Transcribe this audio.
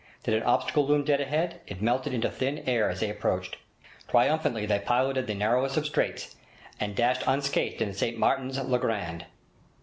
Did an obstacle loom dead ahead of them, it melted into thin air as they approached. Triumphantly they piloted the narrowest of straits, and dashed unscathed into St Martin's le Grand.